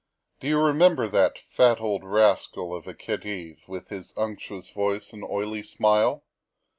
Do you remember that fat old rascal of a Khedive with his unctuous voice and oily smile?